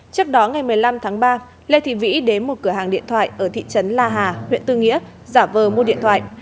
trước đó ngày một mươi năm tháng ba lê thị vĩ đến một cửa hàng điện thoại ở thị trấn la hà huyện tư nghĩa giả vờ mua điện thoại